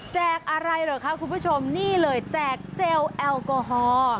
อะไรเหรอคะคุณผู้ชมนี่เลยแจกเจลแอลกอฮอล์